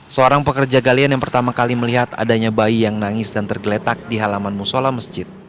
seorang pekerja galian yang pertama kali melihat adanya bayi yang nangis dan tergeletak di halaman musola masjid